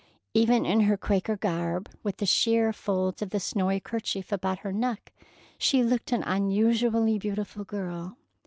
Even in her Quaker garb, with the sheer folds of the snowy kerchief about her neck, she looked an unusually beautiful girl.